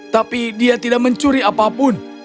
tapi dia tidak mencuri apapun